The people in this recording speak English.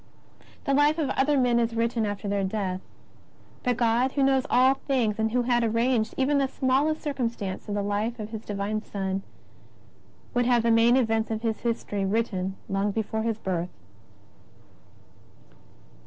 The life of other men is written after their death. But God, who knows all things and who had arranged even the smallest circumstances of the Life of His Divine Son, would have the main events of His history written long before His Birth.